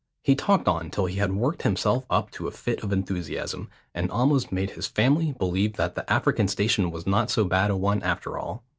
He talked on till he had worked himself up to a fit of enthusiasm, and almost made his family believe that the African station was not so bad a one after all.